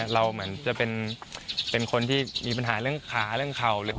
เราเหมือนจะเป็นคนที่มีปัญหาเรื่องขาเรื่องเข่า